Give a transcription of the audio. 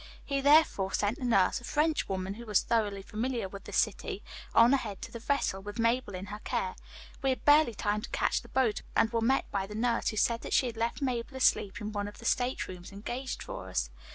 He therefore sent the nurse, a French woman, who was thoroughly familiar with the city, on ahead to the vessel, with Mabel in her care. We had barely time to catch the boat and were met by the nurse, who said that she had left Mabel asleep in one of the state rooms engaged for us.